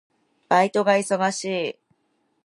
バイトが忙しい。